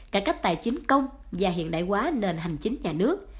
cải cách tài chính công và hiện đại hóa nền hành chính nhà nước